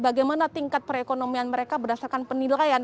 bagaimana tingkat perekonomian mereka berdasarkan penilaian